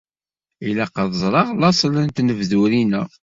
Ilaq ad ẓreɣ laṣel n tnebdurin-a.